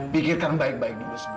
pikirkan baik baik dulu